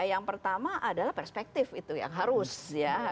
yang pertama adalah perspektif itu yang harus ya